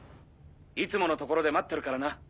いつもの所で待ってるからな。